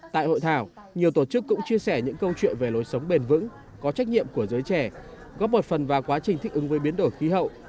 tại hội thảo nhiều tổ chức cũng chia sẻ những câu chuyện về lối sống bền vững có trách nhiệm của giới trẻ góp một phần vào quá trình thích ứng với biến đổi khí hậu